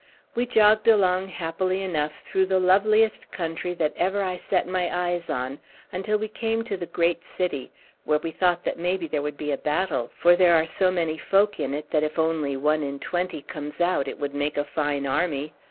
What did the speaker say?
We jogged along happily enough through the loveliest country that ever I set my eyes on, until we came to the great city, where we thought that maybe there would be a battle, for there are so many folk in it that if only one in twenty comes out it would make a fine army.